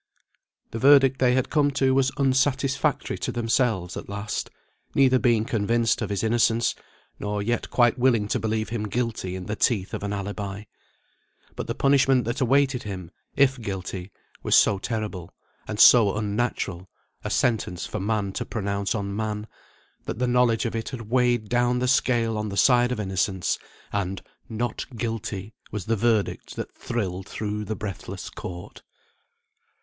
The verdict they had come to was unsatisfactory to themselves at last; neither being convinced of his innocence, nor yet quite willing to believe him guilty in the teeth of the alibi. But the punishment that awaited him, if guilty, was so terrible, and so unnatural a sentence for man to pronounce on man, that the knowledge of it had weighed down the scale on the side of innocence, and "Not Guilty" was the verdict that thrilled through the breathless court.